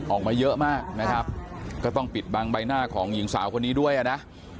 ออกมาเยอะมากนะครับก็ต้องปิดบังใบหน้าของหญิงสาวคนนี้ด้วยนะ